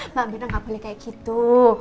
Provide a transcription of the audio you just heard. mbak mirna nggak boleh kayak gitu